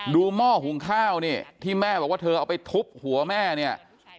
หม้อหุงข้าวนี่ที่แม่บอกว่าเธอเอาไปทุบหัวแม่เนี่ย